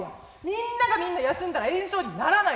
みんながみんな休んだら演奏にならないでしょ？